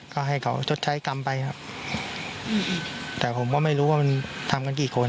ก็ให้เขาชดใช้กรรมไปครับแต่ผมก็ไม่รู้ว่ามันทำกันกี่คน